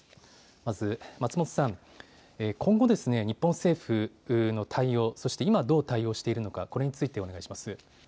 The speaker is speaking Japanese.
まず松本さん、今後、日本政府の対応、そして今どう対応しているのか、お願いします。